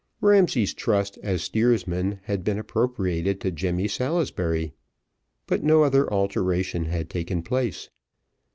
Ramsay's trust as steersman had been appropriated to Jemmy Salisbury, but no other alteration had taken place.